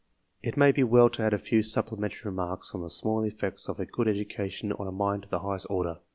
It may be well to add a few supplementary remarks on the small effects of a good education on a mind of the highest order.